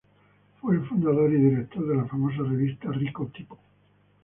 Fue el fundador y director de la famosa revista Rico Tipo.